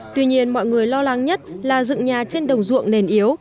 tuy nhiên mọi người lo lắng nhất là dựng nhà trên đồng ruộng nền yếu